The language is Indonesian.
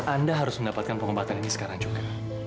anda harus mendapatkan pengobatan ini sekarang juga